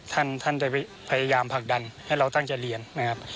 ท่านท่านได้พยายามผลักดันให้เราตั้งใจเรียนนะครับ